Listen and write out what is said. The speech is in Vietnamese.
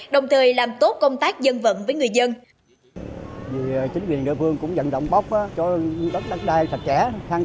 đồng thời làm tốt công tác dân vận với người dân